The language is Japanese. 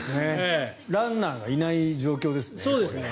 ランナーがいない状況ですね。